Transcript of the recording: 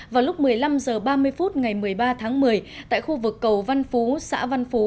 vào lúc một mươi năm h ba mươi phút ngày một mươi ba tháng một mươi tại khu vực cầu văn phú xã văn phú